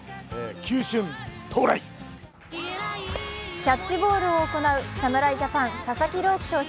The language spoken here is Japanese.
キャッチボールを行う侍ジャパン・佐々木朗希投手。